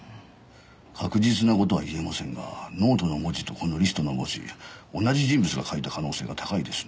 確実な事は言えませんがノートの文字とこのリストの文字同じ人物が書いた可能性が高いですね。